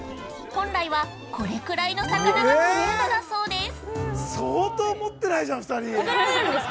本来は、これぐらいの魚が取れるのだそうです。